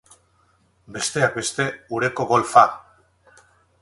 Besteak beste, ureko golfa!